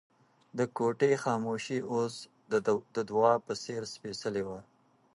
د کوټې خاموشي اوس د دعا په څېر سپېڅلې وه.